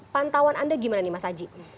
pantauan anda gimana nih mas aji